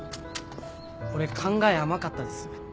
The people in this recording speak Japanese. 俺考え甘かったです。